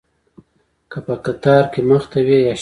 که په قطار کې مخته وي یا شاته.